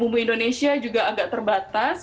bumbu indonesia juga agak terbatas